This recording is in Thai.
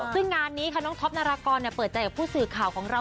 ซึ่งงานนี้ค่ะน้องท็อปนารากรเปิดใจกับผู้สื่อข่าวของเรา